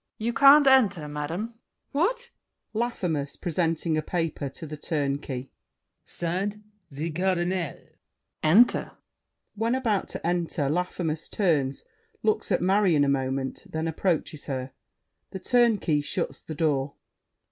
You can't Enter, madame. MARION. What! LAFFEMAS (presenting a paper to The Turnkey). Signed, the Cardinal! THE TURNKEY. Enter. [When about to enter, Laffemas turns, looks at Marion a moment, then approaches her. The Turnkey shuts the door.